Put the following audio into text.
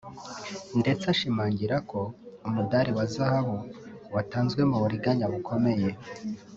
ndetse ashimangira ko umudari wa zahabu watanzwe mu buriganya bukomeye